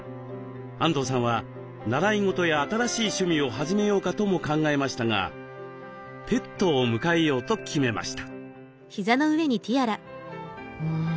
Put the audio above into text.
安藤さんは習い事や新しい趣味を始めようかとも考えましたがペットを迎えようと決めました。